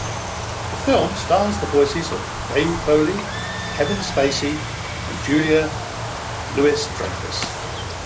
The film stars the voices of Dave Foley, Kevin Spacey and Julia Louis-Dreyfus.